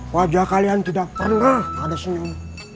wajah kalian tidak pernah ada senyum